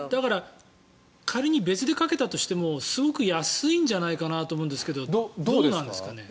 だから、仮に別でかけたとしてもすごく安いんじゃないかと思うんですがどうですかね。